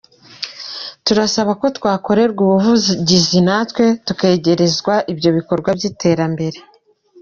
Turasaba ko twakorerwa ubuvugizi natwe tukegerezwa ibyo bikorwa by’iterambere.